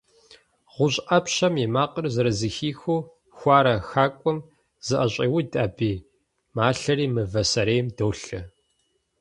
ГъущӀ Ӏэпщэм и макъыр зэрызэхихыу, хуарэ хакӀуэм зыӀэщӀеуд аби, малъэри мывэ сэрейм долъэ.